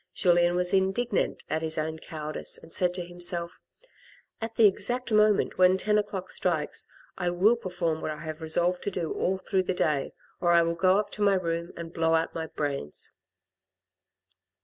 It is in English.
Julien was indignant at his own coward ice, and said to himself, " at the exact moment when ten o'clock strikes, I will perform what I have resolved to do all through the day, or I will go up to my room and blow out my brains."